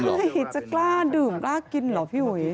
ใช่จะกล้าดื่มลากินหรือพี่หวย